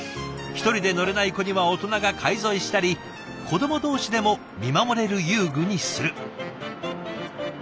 １人で乗れない子には大人が介添えしたり子ども同士でも見守れる遊具にする。